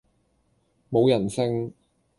冇人性!